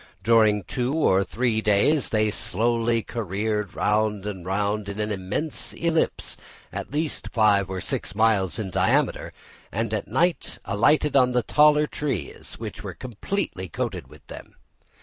During two or three days they slowly careered round and round in an immense ellipse, at least five or six miles in diameter, and at night alighted on the taller trees, which were completely coated with them.